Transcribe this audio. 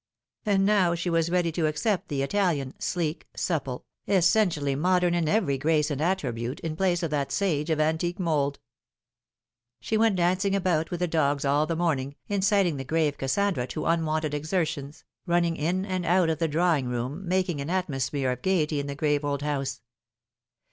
And now she was ready to accept the Italian, sleek, supple, essentially modern in every grace and attribute, in place of that sage of antique mould. She went dancing about with the dogs all the morning, incit ing the grave Kassandra to unwonted exertions, running in and out of the drawing room, making an atmosphere of gaiety in the grave old house.